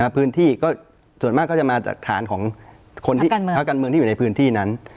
พื้นที่ก็ส่วนมากก็จะมาจากฐานของคนที่พักการเมืองที่อยู่ในพื้นที่นั้น